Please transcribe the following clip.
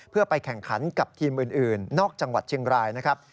เพื่อไปแข่งขันกับทีมอื่นนอกจังหวัดเชียงรายนะครับ